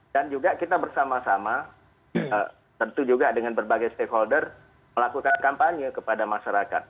dan juga kita bersama sama tertuju juga dengan berbagai stakeholder melakukan kampanye kepada masyarakat